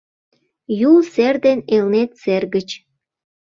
Юл сер ден Элнет сер гыч